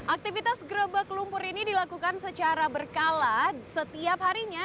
aktivitas gerebek lumpur ini dilakukan secara berkala setiap harinya